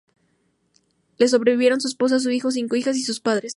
Le sobrevivieron su esposa, un hijo, cinco hijas, y sus padres.